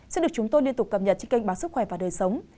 sẽ được chúng tôi liên tục cập nhật trên kênh bán sức khỏe và đồng